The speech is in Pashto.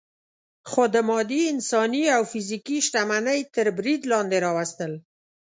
خو د مادي، انساني او فزیکي شتمنۍ تر برید لاندې راوستل.